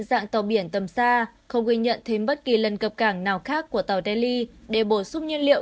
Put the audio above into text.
dạng tàu biển tầm xa không ghi nhận thêm bất kỳ lần cập cảng nào khác của tàu delhi để bổ sung nhiên liệu